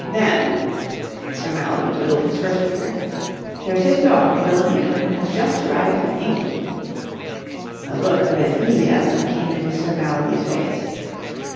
Then—" Sir Mallaby twiddled his first finger—"there's his daughter Wilhelmina, who has just arrived in England." A look of enthusiasm came into Sir Mallaby's face.